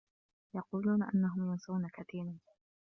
يقولون أنّهم ينسون كثيرا.